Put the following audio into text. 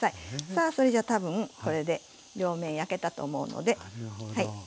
さあそれじゃ多分これで両面焼けたと思うのではい。